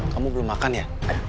kamu belum makan ya